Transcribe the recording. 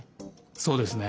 そうですね。